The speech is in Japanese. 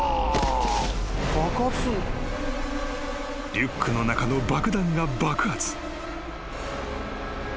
［リュックの中の爆弾が爆発］